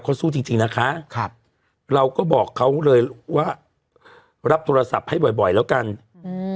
เขาสู้จริงจริงนะคะครับเราก็บอกเขาเลยว่ารับโทรศัพท์ให้บ่อยบ่อยแล้วกันอืม